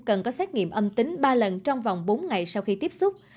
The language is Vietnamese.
cần có xét nghiệm âm tính ba lần trong vòng bốn ngày sau khi tiếp xúc